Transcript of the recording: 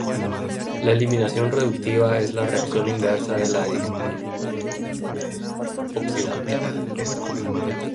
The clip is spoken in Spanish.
La eliminación reductiva es la reacción inversa de la adición oxidante.